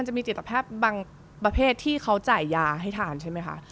จะมีจิตแพทย์บางประเภทที่เขาจ่ายยาให้ทานใช่ไหมคะ